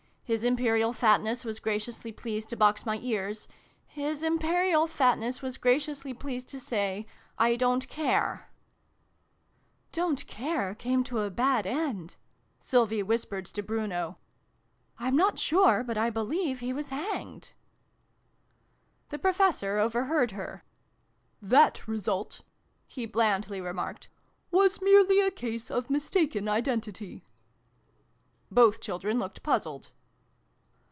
His Imperial Fatness was gra ciously pleased to box my ears. His Imperial Fatness was graciously pleased to say ' I don't care !'""' Don't care ' came to a bad end," Sylvie whispered to Bruno. " I'm not sure, but I believe he was hanged." The Professor overheard her. " That result," he blandly remarked, " was merely a case of mistaken identity." Both children looked puzzled.